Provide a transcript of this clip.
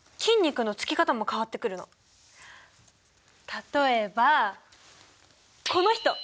例えばこの人！